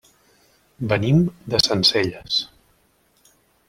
Venim de Sencelles.